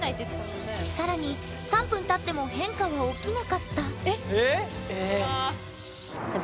更に３分たっても変化は起きなかった。